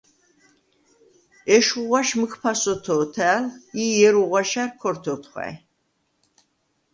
ეშხუ ღვაშ მჷქფას ოთო̄თა̄̈ლ ი ჲერუ ღვაშა̈რ ქორთე ოთხვა̈ჲ.